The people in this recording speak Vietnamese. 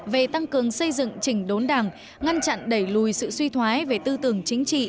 về tăng cường xây dựng chỉnh đốn đảng ngăn chặn đẩy lùi sự suy thoái về tư tưởng chính trị